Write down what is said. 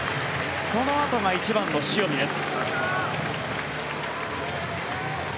そのあとが１番の塩見です。